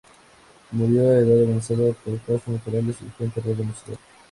Murió a edad avanzada por causas naturales y fue enterrado en la ciudad.